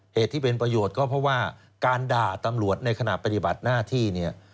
เหตุที่เป็นประโยชน์ก็เพราะว่าการด่าตำรวจในขณะปฏิบัติหน้าที่เนี่ย